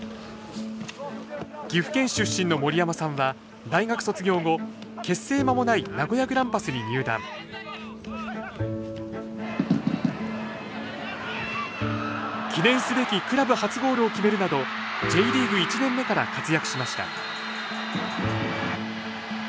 岐阜県出身の森山さんは大学卒業後結成間もない名古屋グランパスに入団記念すべきクラブ初ゴールを決めるなどＪリーグ１年目から活躍しました